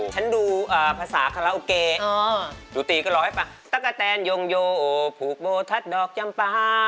ฉันดูภาษาคาราโอเกตักกะแทนภูปโบธัดดอกแย่มพา